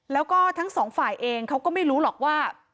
แล้วก็ทั้งสองฝ่ายเองเขาก็ไม่รู้หรอกว่า